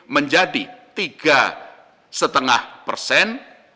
menjadi tiga lima persen